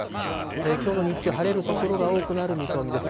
きょうの日中、晴れる所が多くなる見込みです。